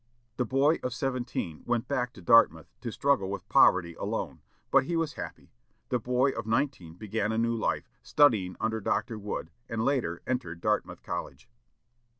The boy of seventeen went back to Dartmouth to struggle with poverty alone, but he was happy; the boy of nineteen began a new life, studying under Dr. Wood, and, later, entered Dartmouth College.